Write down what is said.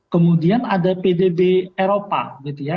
kemudian ada pdb eropa gitu ya